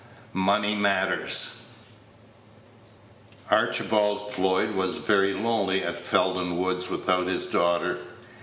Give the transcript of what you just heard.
MONEY MATTERS. Archibald Floyd was very lonely at Felden Woods without his daughter.